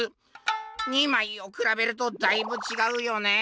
「２まいをくらべるとだいぶ違うよね。